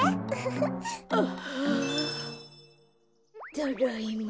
ただいま。